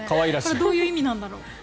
これはどういう意味なんだろう。